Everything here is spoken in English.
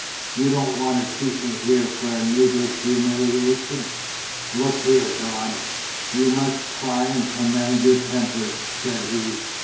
"You don't want to keep me here for a needless humiliation?" "Look here, Dodd, you must try and command your temper," said he.